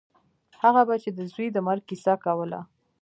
هغه به چې د زوى د مرګ کيسه کوله.